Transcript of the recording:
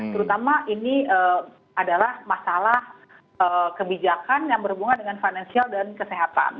terutama ini adalah masalah kebijakan yang berhubungan dengan financial dan kesehatan